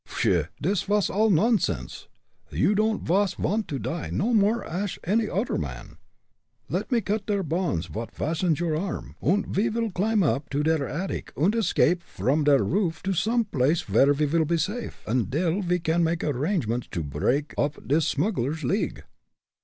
"Pshaw! dis vos all nonsense! You don'd vas vant to die no more ash any odder man. Let me cut der bonds vot fastens your arm, und ve vill climb up to der attic und escape vrom der roof to some place where we vil pe safe, undil we can make arrangements to break oop dis smugglers' league."